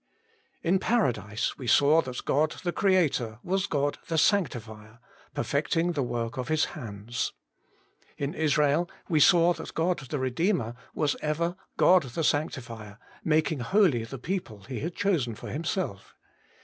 In Paradise we saw that God the Creator was God the Sanctifier, perfecting the work of His hands. In Israel we saw that God the Kedeemer was ever God the Sanctifier, making holy the people He had chosen for Himself.